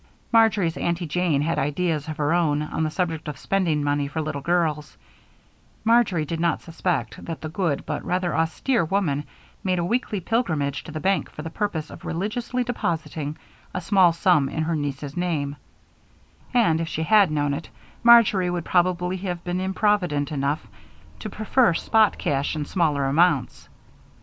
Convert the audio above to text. Marjory's Aunty Jane had ideas of her own on the subject of spending money for little girls Marjory did not suspect that the good but rather austere woman made a weekly pilgrimage to the bank for the purpose of religiously depositing a small sum in her niece's name; and, if she had known it, Marjory would probably have been improvident enough to prefer spot cash in smaller amounts.